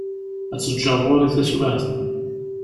Ad tt-ǧǧeɣ ɣur-i taswiεt-a.